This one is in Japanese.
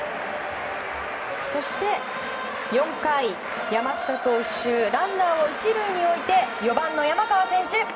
そして４回、山下投手ランナーを１塁に置いて４番の山川選手。